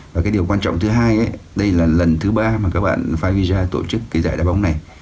và cái điều quan trọng thứ hai đây là lần thứ ba mà các bạn favija tổ chức cái giải đá bóng này